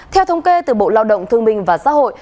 theo thống kê từ bộ lao động thương minh và xã hội